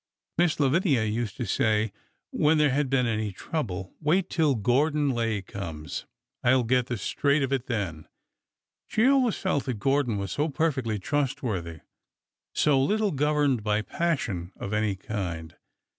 Miss Lavinia used to say when there had been any trouble : 'Wait till Gordon Lay comes. I will get the straight of it then.' She always felt that Gordon was so perfectly trustworthy— so little governed by pas sion of any kind.